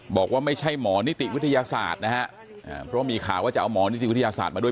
บอกว่าไม่ใช่หมอนิติวิทยาศาสตร์นะฮะเพราะว่ามีข่าวว่าจะเอาหมอนิติวิทยาศาสตร์มาด้วย